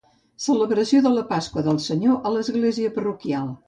Celebració de la Passió del Senyor a l'església parroquial.